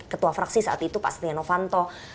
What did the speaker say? ketua fraksi saat itu pak steniano fanto